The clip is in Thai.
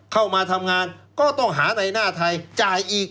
เข้ามาทำงานก็ต้องหาในหน้าไทยจ่ายอีก